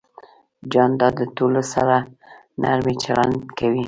جانداد د ټولو سره نرمي چلند کوي.